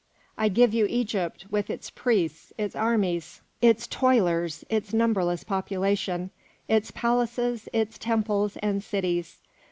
I give you Egypt with its priests, its armies, its toilers, its numberless population, its palaces, its temples and cities.